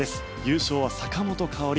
優勝は坂本花織。